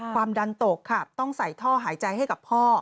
ความดันตกค่ะต้องใส่ท่อหายใจให้กับพ่อ